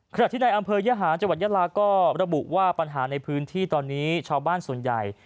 ขณะที่ในอำเภอยหาญจังหวัดยาลาก็ระบุว่าปัญหาในพื้นที่ตอนนี้ชาวบ้านส่วนใหญ่